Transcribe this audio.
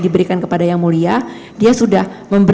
diberikan kepada yang mulia dia sudah